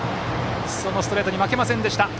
ストレートに負けませんでした。